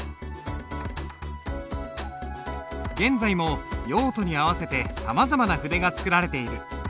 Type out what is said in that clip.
現在も用途に合わせてさまざまな筆が作られている。